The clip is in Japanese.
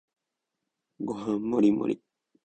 ご飯もりもり